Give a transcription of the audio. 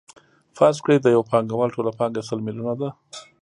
فرض کړئ د یو پانګوال ټوله پانګه سل میلیونه ده